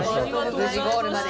無事ゴールまで。